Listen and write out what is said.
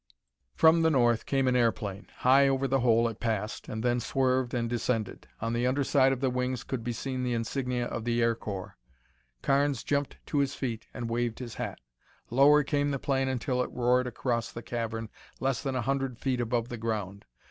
From the north came an airplane. High over the hole it passed, and then swerved and descended. On the under side of the wings could be seen the insignia of the Air Corps. Carnes jumped to his feet and waved his hat. Lower came the plane until it roared across the cavern less than a hundred feet above the ground.